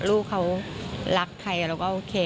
ลูกเขารักใครเราก็โอเค